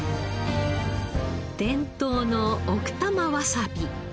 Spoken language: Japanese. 伝統の奥多摩わさび。